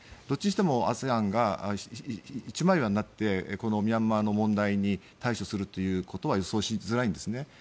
どっちにしてもＡＳＥＡＮが一枚岩になってミャンマーの問題に対処するということは予想しづらいんですね。